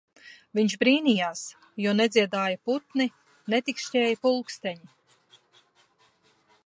Viņš brīnījās, jo nedziedāja putni, netikšķēja pulksteņi.